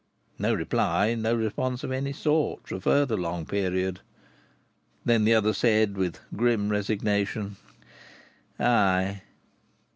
No reply, no response of any sort, for a further long period! Then the other said, with grim resignation: "Ay!"